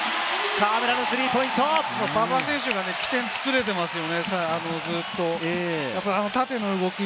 河村選手が起点を作れていますよね、ずっと。